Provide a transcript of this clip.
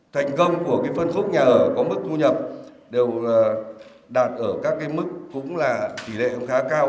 thành công của cái phân khúc nhà ở có mức thu nhập đều là đạt ở các cái mức cũng là tỷ lệ cũng khá cao